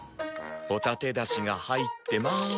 ホタテだしが入ってまーす。